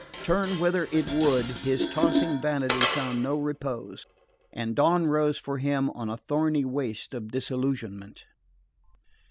Turn whither it would, his tossing vanity found no repose; and dawn rose for him on a thorny waste of disillusionment.